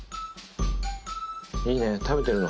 いいね、食べてるの。